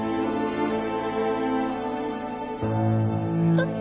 あっ。